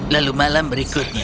lalu malam berikutnya